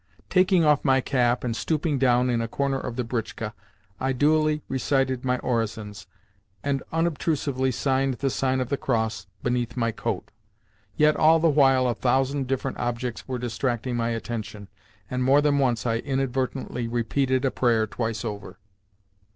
Taking off my cap, and stooping down in a corner of the britchka, I duly recited my orisons, and unobtrusively signed the sign of the cross beneath my coat. Yet all the while a thousand different objects were distracting my attention, and more than once I inadvertently repeated a prayer twice over.